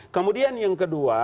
kemudian yang kedua